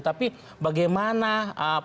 tapi bagaimana praktik praktik politik itu